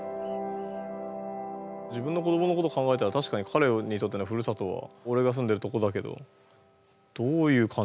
自分の子どものこと考えたら確かに彼にとってのふるさとはおれが住んでるとこだけどどういう感じなんだろうと思って。